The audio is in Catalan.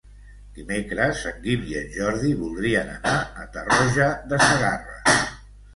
Dimecres en Guim i en Jordi voldrien anar a Tarroja de Segarra.